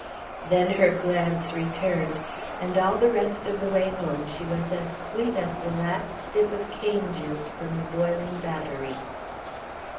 Then her glance returned, and all the rest of the way home she was as sweet as the last dip of cane juice from the boiling battery.